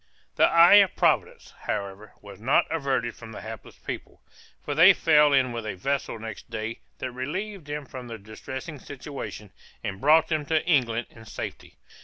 The eye of Providence, however, was not averted from the hapless people, for they fell in with a vessel next day that relieved them from their distressing situation, and brought them to England in safety.